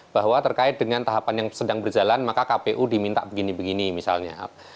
bahwa terkait dengan tahapan yang sedang berjalan maka kpu diminta begini begini misalnya